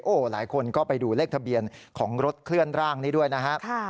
หลายคนก็ไปดูเลขทะเบียนของรถเคลื่อนร่างนี้ด้วยนะครับ